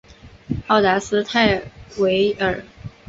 奥达斯泰韦尔。